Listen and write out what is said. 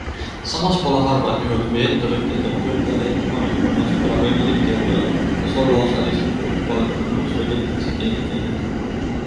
Samas pole harvad juhud, kui ettevõtja teeb töötajale ettepaneku, millest pole võimalik keelduda - kas olla osalise ümbrikupalgaga nõus või leitakse keegi teine.